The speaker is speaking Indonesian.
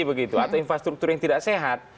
begitu atau infrastruktur yang tidak sehat